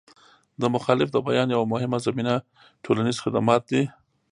د مخالفت د بیان یوه مهمه زمینه ټولنیز خدمات دي.